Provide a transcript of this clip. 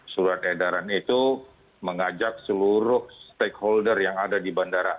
surat edaran itu mengajak seluruh stakeholder yang ada di bandara